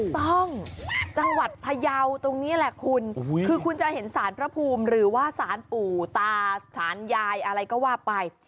จังหวัดพยาวตรงนี้แหละคุณคือคุณจะเห็นสารพระภูมิหรือว่าสารปู่ตาสารยายอะไรก็ว่าไป